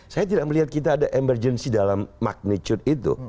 saya tidak melihat kita ada emergency dalam magnitude itu